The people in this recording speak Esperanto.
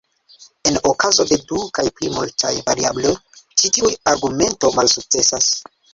En okazo de du kaj pli multaj variabloj, ĉi tiu argumento malsukcesas.